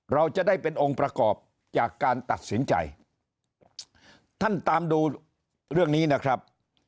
เราจะได้เป็นองค์ประกอบจากการตัดสินใจท่านตามดูเรื่องนี้นะครับ